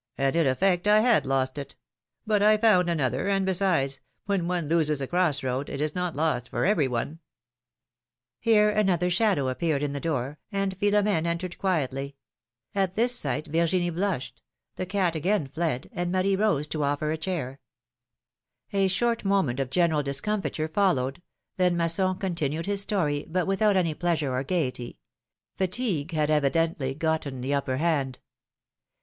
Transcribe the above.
And, in effect, I had lost it ! But I found another, and besides, when one loses a cross road, it is not lost for every one." Here another shadow appeared in the door, and Philo m^ne entered quietly; at this sight Virginie blushed, the 126 philom^:ne's makriages. cat agaia fled, and Marie rose to ofier a chair. A short moment of general discomfiture followed, then Masson continued his story, but without any pleasure or gayety — fatigue had evidently gotten the upper hand.